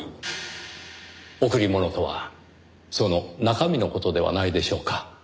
贈り物とはその中身の事ではないでしょうか。